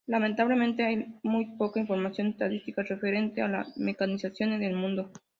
Lamentablemente hay muy poca información estadística referente a la mecanización en el mundo.